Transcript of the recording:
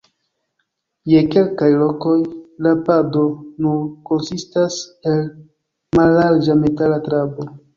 Je kelkaj lokoj la pado nur konsistas el mallarĝa metala trabo.